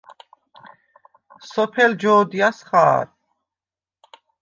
სოფელ ჯო̄დიას ხა̄რ.